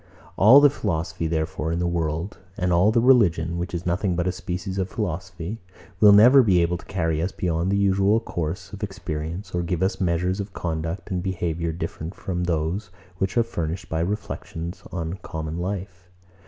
All the philosophy, therefore, in the world, and all the religion, which is nothing but a species of philosophy, will never be able to carry us beyond the usual course of experience, or give us measures of conduct and behaviour different from those which are furnished by reflections on common life.